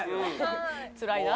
つらいな。